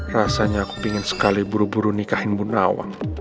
rasanya aku pengen sekali buru buru nikahin bu nawang